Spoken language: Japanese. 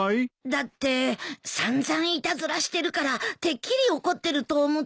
だって散々いたずらしてるからてっきり怒ってると思ったのに。